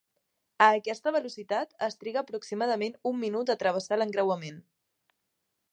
A aquesta velocitat, es triga aproximadament un minut a travessar l'encreuament.